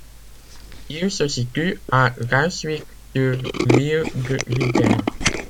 Il se situe à Ralswiek sur l'île de Rügen.